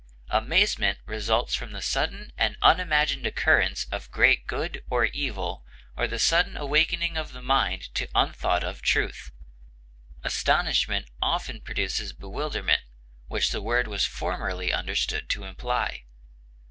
Amazement results from the sudden and unimagined occurrence of great good or evil or the sudden awakening of the mind to unthought of truth. Astonishment often produces bewilderment, which the word was formerly understood to imply.